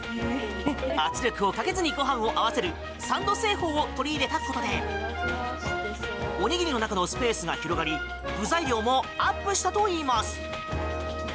圧力をかけずにご飯を合わせるサンド製法を取り入れたことでおにぎりの中のスペースが広がり具材量もアップしたといいます。